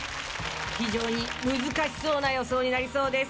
非常に難しそうな予想になりそうです。